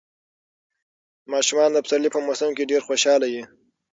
ماشومان د پسرلي په موسم کې ډېر خوشاله وي.